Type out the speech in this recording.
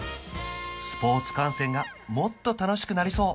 スポーツ観戦がもっと楽しくなりそう